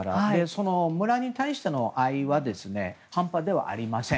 その村に対しての愛は半端ではありません。